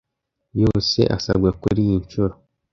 yose asabwa kuriyi nshuro.